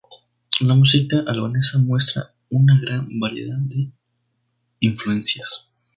La música albanesa muestra una gran variedad de influencias.